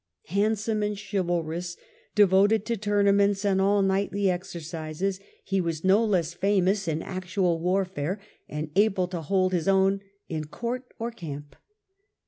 Handsome and chivalrous, devoted to tourna ments and all knightly exercises, he was no less famous 78 THE END OF THE MIDDLE AGE in actual warfare and able to hold his own in court or camp.